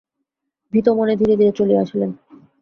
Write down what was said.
ভীত মনে ধীরে ধীরে চলিয়া আসিলেন।